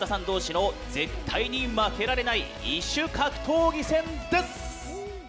同士の絶対に負けられない異種格闘技戦です！